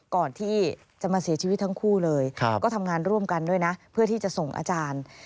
ก่อนที่จะมาเสียชีวิตทั้งคู่เลยก็ทำงานร่วมกันด้วยนะเพื่อที่จะส่งอาจารย์